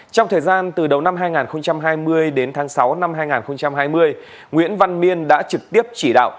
trong thời gian từ đầu năm hai nghìn hai mươi đến tháng sáu năm hai nghìn hai mươi nguyễn văn miên đã trực tiếp chỉ đạo